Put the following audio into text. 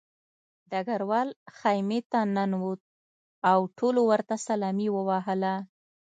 ډګروال خیمې ته ننوت او ټولو ورته سلامي ووهله